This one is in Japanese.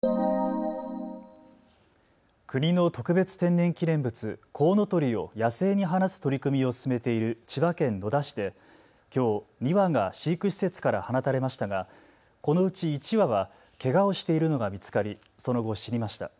国の特別天然記念物、コウノトリを野生に放つ取り組みを進めている千葉県野田市できょう２羽が飼育施設から放たれましたがこのうち１羽はけがをしているのが見つかり、その後死にました。